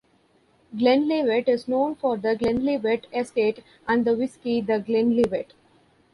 Glenlivet is known for the Glenlivet Estate and the whisky The Glenlivet.